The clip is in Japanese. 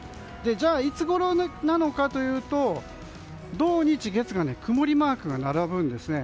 じゃあ、いつごろなのかというと土日月が曇りマークが並ぶんですね。